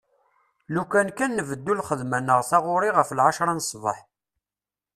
Lukan kan nbeddu lxedma neɣ taɣuri ɣef lɛecra n sbeḥ.